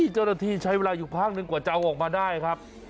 เจ้าหน้าที่ใช้เวลาอยู่ภาคหนึ่งกว่าจะเอาออกมาได้ครับ